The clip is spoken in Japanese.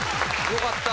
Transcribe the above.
よかった。